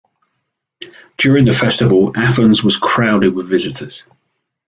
During the festival, Athens was crowded with visitors.